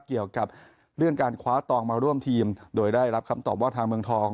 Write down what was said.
เกี่ยวกับเรื่องการคว้าตองมาร่วมทีมโดยได้รับคำตอบว่าทางเมืองทอง